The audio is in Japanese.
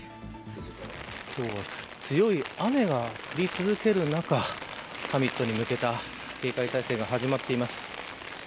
今日は強い雨が降り続ける中サミットに向けた警戒態勢が始まっ